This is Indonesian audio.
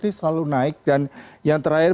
ini selalu naik dan yang terakhir